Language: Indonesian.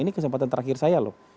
ini kesempatan terakhir saya loh